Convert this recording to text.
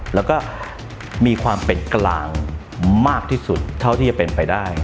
แล้วก็มีความเป็นกลางมากที่สุดเท่าที่จะเป็นไปได้